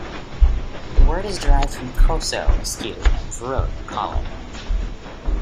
The word is derived from "koso" - askew, and "vorot" collar.